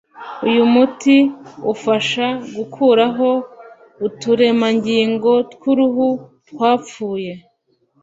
Uyu muti ufasha gukuraho uturemangingo tw’uruhu twapfuye